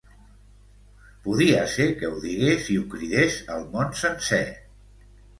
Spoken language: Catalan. Podia ser que ho digués i ho cridés al món sencer!